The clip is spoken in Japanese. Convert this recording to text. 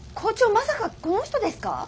まさかこの人ですか？